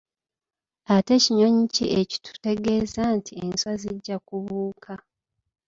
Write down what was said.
Ate kinyonyi ki ekitutegeeza nti enswa zijja kubuuka?